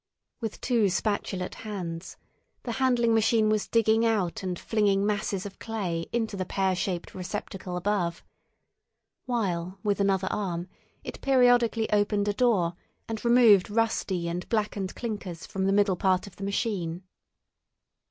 With two spatulate hands the handling machine was digging out and flinging masses of clay into the pear shaped receptacle above, while with another arm it periodically opened a door and removed rusty and blackened clinkers from the middle part of the machine.